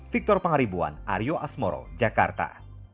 victor pangaribuan aryo asmoro jakarta